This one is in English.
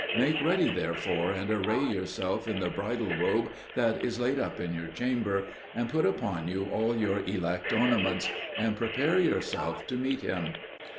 Make ready therefore and array yourself in the bridal robe that is laid up in your chamber, and put upon you all your elect ornaments, and prepare yourself to meet him."